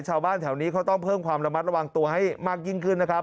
ชาวบ้านแถวนี้เขาต้องเพิ่มความระมัดระวังตัวให้มากยิ่งขึ้นนะครับ